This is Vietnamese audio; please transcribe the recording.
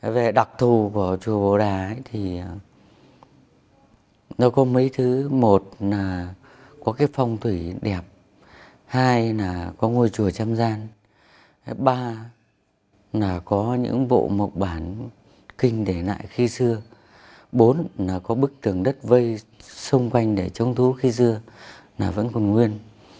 về đặc thù của chùa bổ đà thì nó có mấy thứ một là có cái phong thủy đẹp hai là có ngôi chùa trăm gian ba là có những bộ mộc bản kinh để lại khi xưa bốn là có bức tường đất vây xung quanh để chống thú khi xưa nó vẫn còn nguyên